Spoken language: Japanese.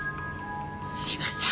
すいません。